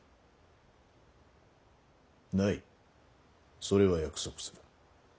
それは約束する。